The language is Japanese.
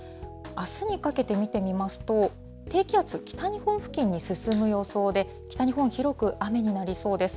あすにかけて見てみますと、低気圧、北日本付近に進む予想で、北日本、広く雨になりそうです。